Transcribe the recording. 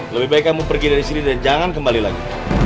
lebih baik kamu pergi dari sini dan jangan kembali lagi